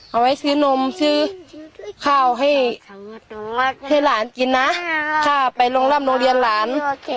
เอาไว้ซื้อนมซื้อข้าวให้หลานกินนะถ้าไปลงร่ำโรงเรียนหลาน